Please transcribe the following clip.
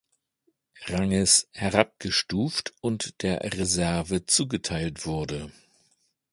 Ranges herabgestuft und der Reserve zugeteilt wurde.